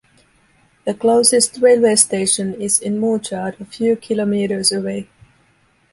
The closest railway station is in Mouchard, a few kilometres away.